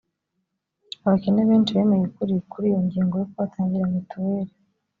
abakene benshi bemeye ukuri kuriyo ngingo yo kubatangira mituweli